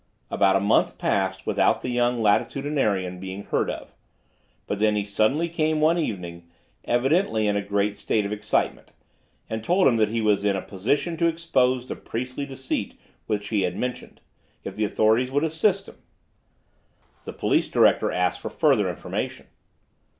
About a month passed without the young Latitudinarian being heard of; but then he suddenly came one evening, evidently in a great state of excitement, and told him that he was in a position to expose the priestly deceit which he had mentioned, if the authorities would assist him. The police director asked for further information.